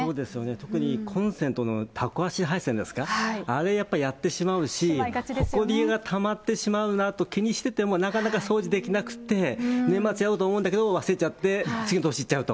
特にコンセントのたこ足配線ですか、あれ、やっぱりやってしまいますし、ほこりがたまってしまうなと気にしてても、なかなか掃除できなくって、年末やろうと思うんだけど、忘れちゃって、次の年いっちゃうと。